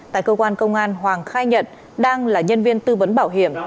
tại cơ quan công an hoàng khai nhận đang là nhân viên tư vấn bảo hiểm